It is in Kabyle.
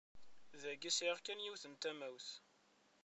Dagi sɛiɣ kan yiwet n tamawt.